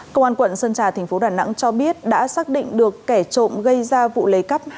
công an quận sơn trà thành phố đà nẵng cho biết đã xác định được kẻ trộm gây ra vụ lấy cắp